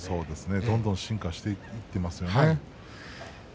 どんどん進化していっていますね。